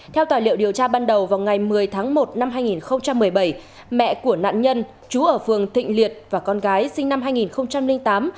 theo tài liệu điều tra ban đầu vào ngày một mươi tháng một năm hai nghìn một mươi bảy mẹ của nạn nhân chú ở phường thịnh liệt và con gái sinh năm hai nghìn tám